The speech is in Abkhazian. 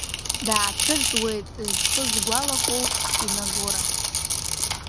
Даацәырҵуеит зхы-згәалаҟоу Пинагора.